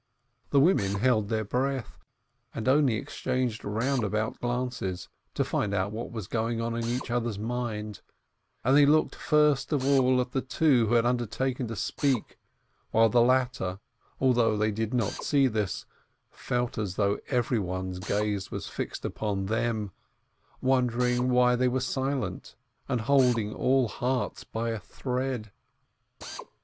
The women held their breath, and only exchanged roundabout glances, to find out what was going on in each other's mind; and they looked first of all at the two who had undertaken to speak, while the latter, although they did not see this, felt as if every one's gaze was fixed upon them, wonder ing why they were silent and holding all hearts by a thread.